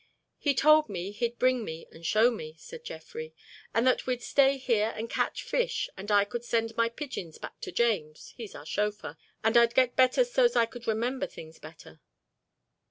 "He told me he'd bring me and show me," said Jeffrey, "and that we'd stay here and catch fish and I could send my pigeons back to James—he's our chauffeur—and I'd get better so's I could remember things better.